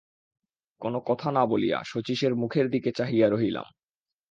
কোনো কথা না বলিয়া শচীশের মুখের দিয়ে চাহিয়া রহিলাম।